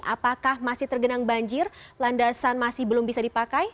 apakah masih tergenang banjir landasan masih belum bisa dipakai